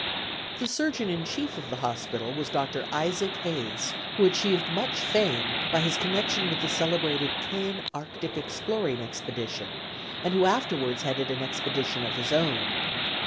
The surgeon in chief of the hospital was Dr. Isaac Hayes, who achieved much fame by his connection with the celebrated Kane Arctic exploring expedition, and who afterwards headed an expedition of his own.